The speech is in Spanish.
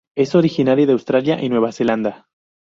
Es originaria de Australia y Nueva Zelanda.